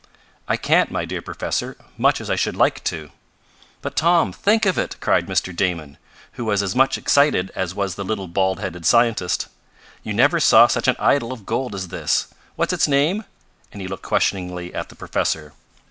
"I can't, my dear professor, much as I should like to." "But, Tom, think of it!" cried Mr. Damon, who was as much excited as was the little bald headed scientist. "You never saw such an idol of gold as this. What's its name?" and he looked questioningly at the professor.